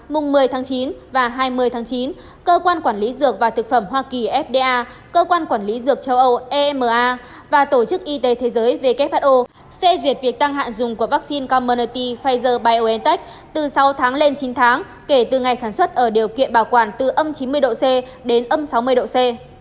mùng một mươi tháng chín và hai mươi tháng chín cơ quan quản lý dược và thực phẩm hoa kỳ fda cơ quan quản lý dược châu âu ema và tổ chức y tế thế giới who sẽ duyệt việc tăng hạn dùng của vaccine commernalty pfizer biontech từ sáu tháng lên chín tháng kể từ ngày sản xuất ở điều kiện bảo quản từ âm chín mươi độ c đến âm sáu mươi độ c